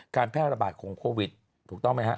การแพร่ระบาดของโควิดถูกต้องไหมฮะ